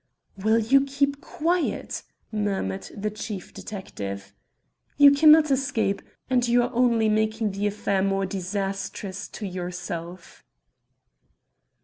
"Will you keep quiet?" murmured the chief detective. "You cannot escape, and you are only making the affair more disastrous to yourself."